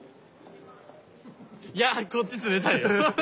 いやこっち冷たいよ。